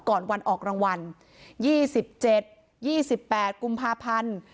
ก่อนวันออกรางวัลยี่สิบเจ็ดยี่สิบแปดกุมภาพันธ์